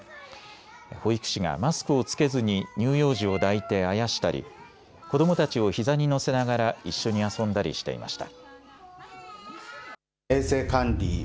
保育士がマスクを着けずに乳幼児を抱いてあやしたり子どもたちをひざに乗せながら一緒に遊んだりしていました。